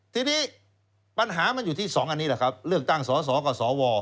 ทีนี้ปัญหามันอยู่ที่๒อันนี้แหละครับเลือกตั้งสสกับสว